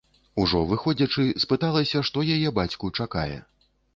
Ужо выходзячы, спыталася, што яе бацьку чакае.